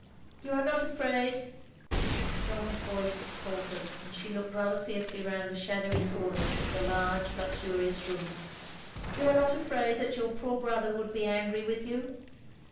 " You are not afraid —" Jeanne's voice faltered and she looked rather fearfully round the shadowy comers of the large luxurious room, "you are not afraid that your poor brother would be angry with you?